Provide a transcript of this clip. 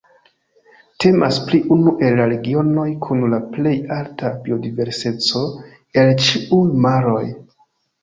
Temas pri unu el la regionoj kun la plej alta biodiverseco el ĉiuj maroj.